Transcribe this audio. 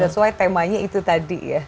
that's why temanya itu tadi ya